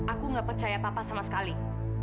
aku gak percaya papa sama sekali